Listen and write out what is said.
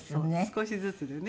少しずつでね。